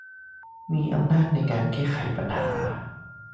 มีอำนาจในการแก้ไขปัญหา